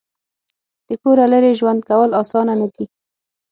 د کوره لرې ژوند کول اسانه نه دي.